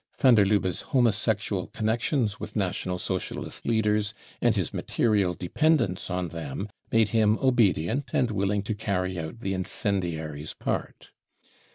Van der Lubbe's homosexual connections with National Socialist leaders and his material dependence on them made him obedient and willing to carry out the incendiary's part.